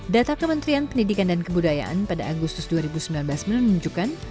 data kementerian pendidikan dan kebudayaan pada agustus dua ribu sembilan belas menunjukkan